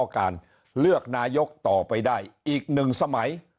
การเลือกนายกต่อไปได้อีก๑สมัย